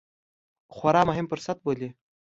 خورا مهم فرصت بولي